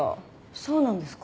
そうなんですか？